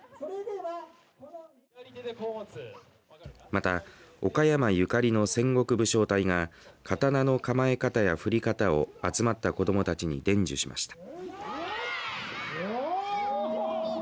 また、岡山ゆかりの戦国武将隊が刀の構え方や振り方を集まった子どもたちに伝授しました。